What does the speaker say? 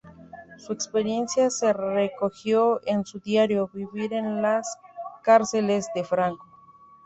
Su experiencia se recogió en su diario "“Vivir en las cárceles de Franco.